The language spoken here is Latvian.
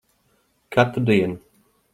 Katru dienu.